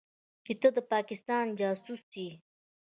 چې ته د پاکستان جاسوس يې.